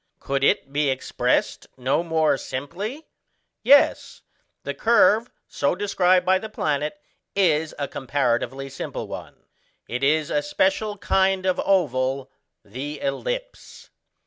Could it be expressed no more simply? Yes, the curve so described by the planet is a comparatively simple one: it is a special kind of oval the ellipse.